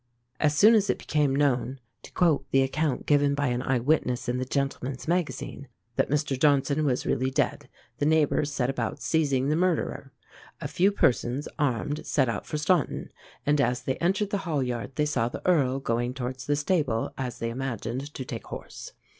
"As soon as it became known," to quote the account given by an eye witness in the Gentleman's Magazine, "that Mr Johnson was really dead, the neighbours set about seizing the murderer. A few persons, armed, set out for Staunton, and as they entered the hall yard they saw the Earl going towards the stable, as they imagined, to take horse.